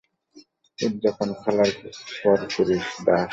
উদযাপন খেলার পর করিস, দাস।